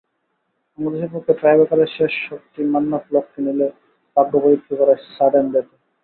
বাংলাদেশের পক্ষে টাইব্রেকারের শেষ শটটি মান্নাফ লক্ষ্যে নিলে ভাগ্যপরীক্ষা গড়ায় সাডেন ডেথে।